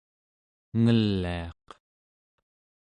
ngeliaq